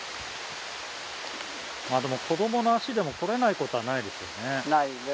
でも子どもの足でも来れないことはないですよね。